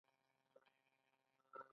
دوی له امریکا سره ښې اړیکې لري.